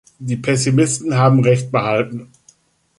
Die Pessimisten haben Recht behalten.